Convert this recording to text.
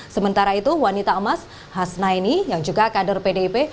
sementara itu wanita emas hasnaini yang juga kader pdip